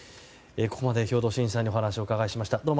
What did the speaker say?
ここまで兵頭慎治さんにお話を伺いました。